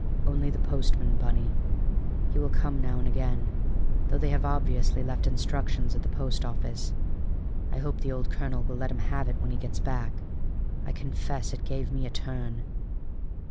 "Only the postman, Bunny! He will come now and again, though they have obviously left instructions at the post office. I hope the old colonel will let them have it when he gets back. I confess it gave me a turn."